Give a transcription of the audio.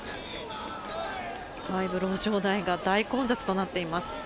場内が大混雑となっています。